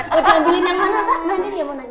mau diambilin yang mana pak